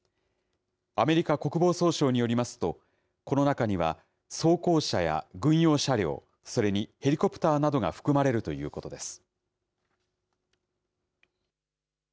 アメリカ国防総省によりますと、この中には、装甲車や軍用車両、それにヘリコプターなどが含まれるということです。